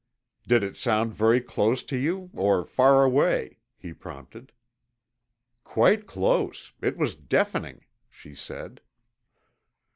"Did it sound very close to you, or far away?" he prompted. "Quite close. It was deafening," she said.